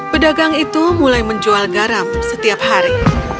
pedagang itu mulai menjual garam setiap hari